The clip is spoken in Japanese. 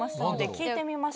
聴いてみましょう。